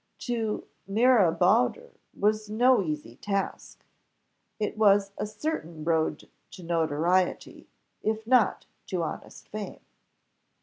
To Mirabeauder was no easy task; it was a certain road to notoriety, if not to honest fame.